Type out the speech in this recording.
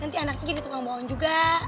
nanti anaknya jadi tukang bohong juga